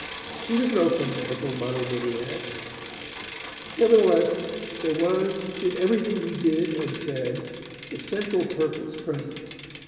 He was no fanatical monomaniac. Nevertheless, there was, in everything he did and said, the central purpose present.